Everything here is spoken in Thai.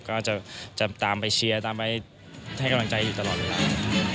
ก็จะตามไปเชียร์ตามไปให้กำลังใจดีนตลอดอีกแล้ว